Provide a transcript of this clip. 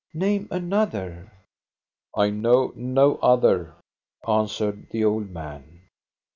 Name another !"" I know no other," answered the old man.